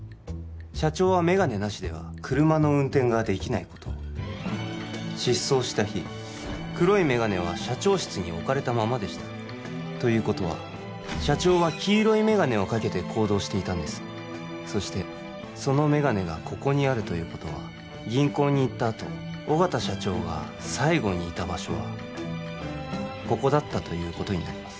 社長はメガネなしでは車の運転ができないことを失踪した日黒いメガネは社長室に置かれたままでしたということは社長は黄色いメガネをかけて行動していたんですそしてそのメガネがここにあるということは銀行に行ったあと緒方社長が最後にいた場所はここだったということになります